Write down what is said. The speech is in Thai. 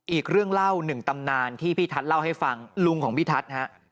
อีกเรื่องเล่าหนึ่งตำนานที่พี่ทัศน์เล่าให้ฟังลุงของพี่ทัศน์ฮะ